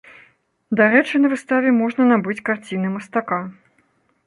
Дарэчы на выставе можна набыць карціны мастака.